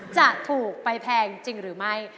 จะถูกไปแพงจริงหรือไม่